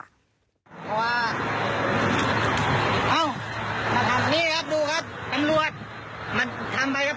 ดูครับคุมเสืออยู่ในป่าตำรวจสังฆาตราครับ